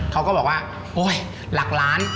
เขาก็บอกว่าโอ๊ยหลักล้าน